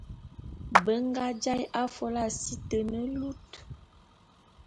Be nga jaé afôla si te ne lut.